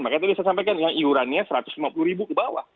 makanya tadi saya sampaikan yang iurannya satu ratus lima puluh ribu ke bawah